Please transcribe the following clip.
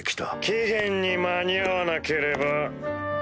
期限に間に合わなければ。